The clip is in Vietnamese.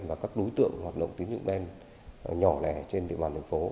và các đối tượng hoạt động tín dụng đen nhỏ lẻ trên địa bàn thành phố